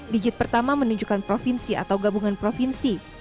digit pertama menunjukkan provinsi atau gabungan provinsi